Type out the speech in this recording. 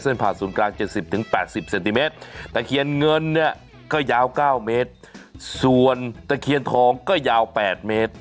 เส้นผ่านศูนย์กลางเจ็ดสิบถึงแปดสิบเซนติเมตรตะเขียนเงินเนี่ยก็ยาวเก้าเมตรส่วนตะเขียนทองก็ยาวแปดเมตร